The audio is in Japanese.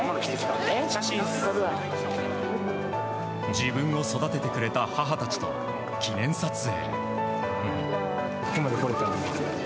自分を育ててくれた母たちと記念撮影。